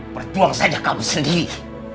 berjuang saja kamu sendiri